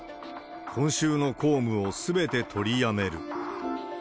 今週の公務をすべて取りやめる。